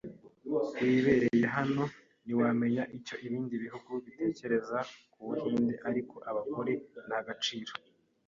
wibereye hano nti wamenya icyo ibindi bihugu bitekereza ku Buhinde ariko abagore ntagaciro